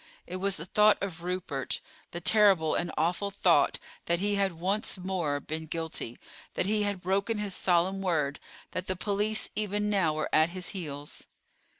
It was the thought of Rupert, the terrible and awful thought that he had once more been guilty, that he had broken his solemn word, that the police even now were at his heels.